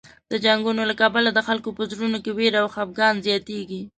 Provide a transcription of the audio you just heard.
د جنګونو له کبله د خلکو په زړونو کې وېره او خفګان زیاتېږي.